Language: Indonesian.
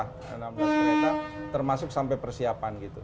enam belas kereta termasuk sampai persiapan gitu